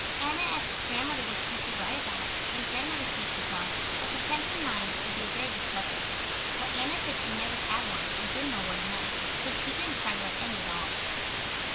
Anna asked Grandmother what she should write about, and Grandmother said she thought "A Contented Mind" would be a very good subject, but Anna said she never had one and didn't know what it meant, so she didn't try to write any at all.